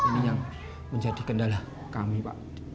ini yang menjadi kendala kami pak